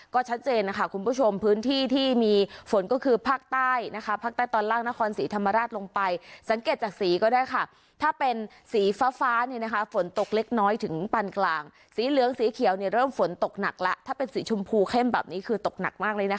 ก็ชัดเจนนะคะคุณผู้ชมพื้นที่ที่มีฝนก็คือภาคใต้นะคะภาคใต้ตอนล่างนครศรีธรรมราชลงไปสังเกตจากสีก็ได้ค่ะถ้าเป็นสีฟ้าฟ้าเนี่ยนะคะฝนตกเล็กน้อยถึงปันกลางสีเหลืองสีเขียวเนี่ยเริ่มฝนตกหนักแล้วถ้าเป็นสีชมพูเข้มแบบนี้คือตกหนักมากเลยนะคะ